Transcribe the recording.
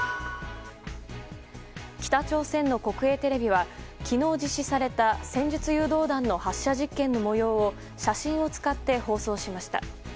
北朝鮮の国営テレビは昨日、実施された戦術誘導弾の発射実験の模様を写真を使って放送しました。